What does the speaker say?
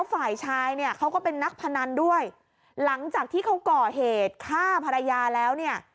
ฝ่ายชายเนี่ยเขาก็เป็นนักพนันด้วยหลังจากที่เขาก่อเหตุฆ่าภรรยาแล้วเนี่ย